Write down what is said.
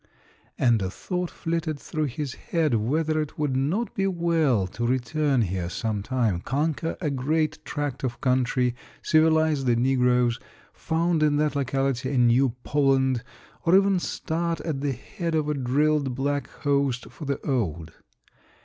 And a thought flitted through his head whether it would not be well to return here sometime, conquer a great tract of country, civilize the negroes, found in that locality a new Poland, or even start at the head of a drilled black host for the old.